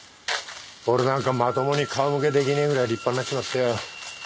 俺なんかまともに顔向けできねぇぐらい立派になっちまってよ